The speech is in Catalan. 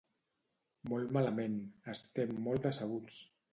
Molt malament, estem molt decebuts.